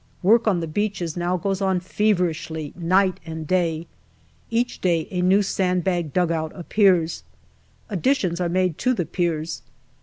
Work on the beaches now goes on feverishly, night and day. Each day a new sand bagged dugout appears. Additions are made to the piers.